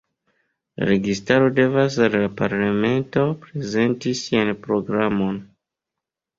La registaro devas al la parlamento prezenti sian programon.